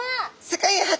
世界初！